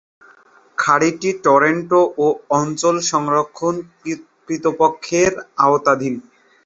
খাঁড়িটি Toronto ও অঞ্চল সংরক্ষণ কর্তৃপক্ষের আওতাধীন।